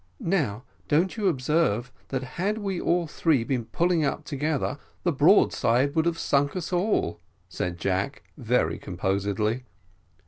"Now, don't you observe, that had we all three been pulling up together, the broadside would have sunk us all?" said Jack, very composedly.